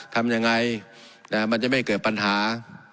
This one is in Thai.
ทำยังไงมันจะไม่เกิดปัญหา